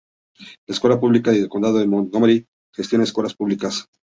Las Escuelas Públicas del Condado de Montgomery gestiona escuelas públicas.